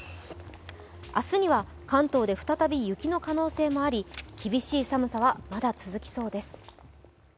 明日には関東で再び雪の可能性もあり、厳しい寒さはまだ続きそうです。